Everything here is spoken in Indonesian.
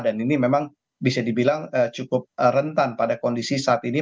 dan ini memang bisa dibilang cukup rentan pada kondisi saat ini